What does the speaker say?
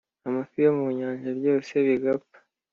amafi yo mu nyanja, byose bigapfa.